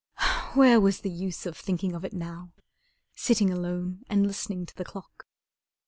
Where was the use of thinking of it now, Sitting alone and listening to the clock!